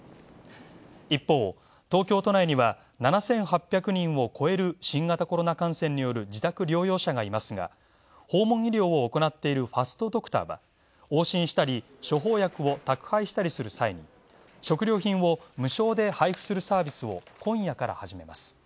一方、東京都内には７８００人を超える新型コロナ感染による自宅療養者がいますが、訪問医療を行っている「ファストドクター」は、往診したり、処方薬を宅配する際に食料品を無償で配布するサービスを今夜から始めます。